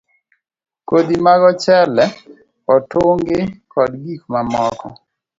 Kodhi mag ochele, otungi, kod gik mamoko